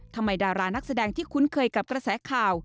ดารานักแสดงที่คุ้นเคยกับกระแสข่าว